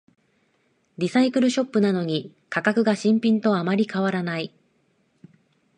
リサイクルショップなのに価格が新品とあまり変わらない